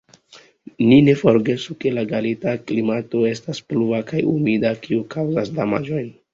Ni ne forgesu, ke la galega klimato estas pluva kaj humida, kio kaŭzas damaĝojn.